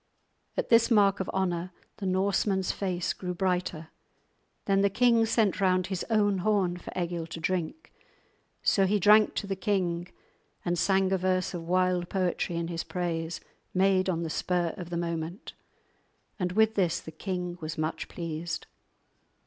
At this mark of honour the Norseman's face grew brighter. Then the king sent round his own horn for Egil to drink; so he drank to the king and sang a verse of wild poetry in his praise, made on the spur of the moment; and with this the king was much pleased.